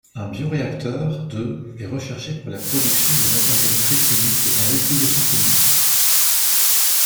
Un bioréacteur de est recherché pour la production de matériel préclinique et d'investigations cliniques.